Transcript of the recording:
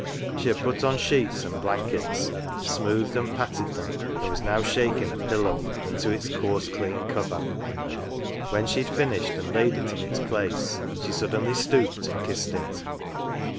She had put on sheets and blankets, smoothed and patted them, and was now shaking a pillow into its coarse clean cover. When she had finished and laid it in its place she suddenly stooped and kissed it.